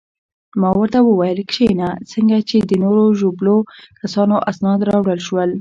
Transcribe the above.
ما ورته وویل: کښېنه، څنګه چې د نورو ژوبلو کسانو اسناد راوړل شول.